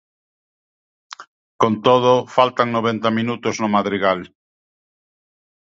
Con todo, faltan noventa minutos no Madrigal.